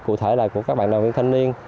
cụ thể là của các bạn đoàn viên thanh niên